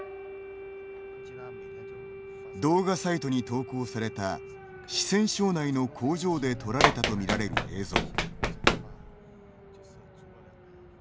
動画サイトに投稿された四川省内の工場で撮られたとみられる映像。